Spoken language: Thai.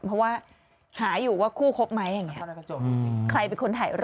เพราะว่าหาอยู่ว่าคู่ครบไหมอย่างนี้